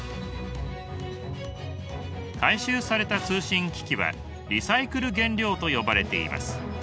回収された通信機器はリサイクル原料と呼ばれています。